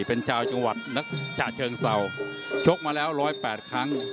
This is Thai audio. เป็นชาวจังหวัดนักฉะเชิงเศร้าชกมาแล้ว๑๐๘ครั้ง